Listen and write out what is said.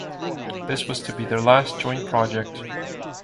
This was to be their last joint project.